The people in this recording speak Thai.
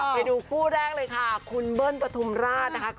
ไปดูคู่แรกเลยค่ะคุณเบิ้ลปฐุมราชนะคะ